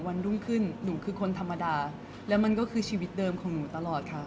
รุ่งขึ้นหนูคือคนธรรมดาแล้วมันก็คือชีวิตเดิมของหนูตลอดค่ะ